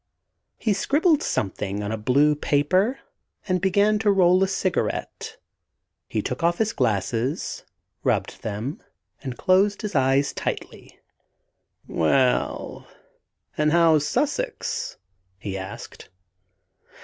He scribbled something on a blue paper and began to roll a cigarette. He took off his glasses, rubbed them, and closed his eyes tightly. "Well, and how's Sussex?" he asked.